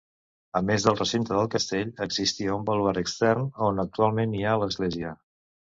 A més del recinte del Castell, existia un baluard extern on actualment hi ha l'església.